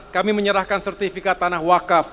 kami menyerahkan sertifikat tanah wakaf